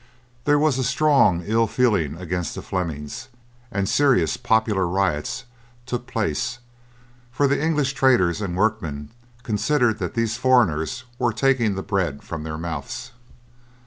There was a strong ill feeling against the Flemings and serious popular riots took place, for the English traders and workmen considered that these foreigners were taking the bread from their mouths.